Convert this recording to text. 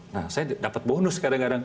nah saya dapat bonus kadang kadang